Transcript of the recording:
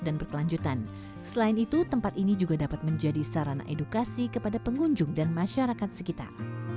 berkelanjutan selain itu tempat ini juga dapat menjadi sarana edukasi kepada pengunjung dan masyarakat sekitar